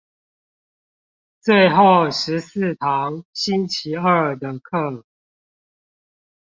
最後十四堂星期二的課